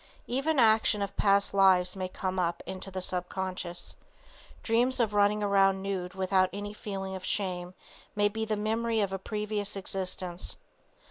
Even action of past lives may come up into the subconscious. Dreams of running around nude without any feeling of shame may be the memory of a previous existence.